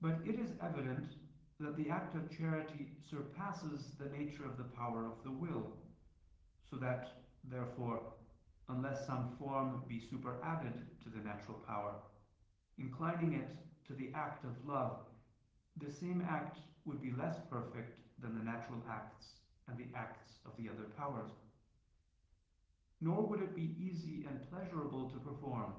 But it is evident that the act of charity surpasses the nature of the power of the will, so that, therefore, unless some form be superadded to the natural power, inclining it to the act of love, this same act would be less perfect than the natural acts and the acts of the other powers; nor would it be easy and pleasurable to perform.